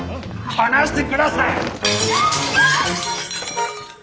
放してください！